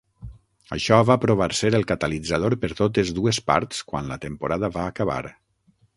Això va provar ser el catalitzador per totes dues parts quan la temporada va acabar.